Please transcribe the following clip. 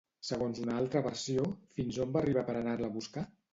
Segons una altra versió, fins on va arribar per anar-la a buscar?